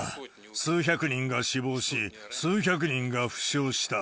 数百人が死亡し、数百人が負傷した。